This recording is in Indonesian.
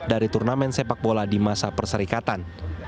dari turnamen sepak bola di masa perserikatan